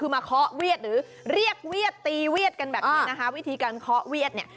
มาข้อเวียดหรือเรียกเวียดการตีเวียด